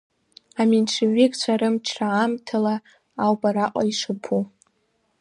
Аменшевикцәа рымчра аамҭала ауп араҟа ишаԥу.